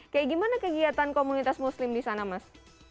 kayak gimana kegiatan komunitas muslim di sana mas